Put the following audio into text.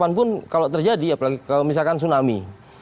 kapanpun kalau terjadi apalagi kalau misalkan tsunami